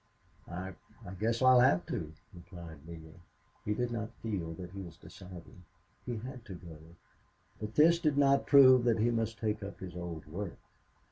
"I I guess I'll have to," replied Neale. He did not feel that he was deciding. He had to go. But this did not prove that he must take up his old work.